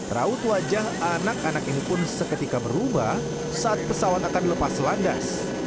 raut wajah anak anak ini pun seketika berubah saat pesawat akan dilepas landas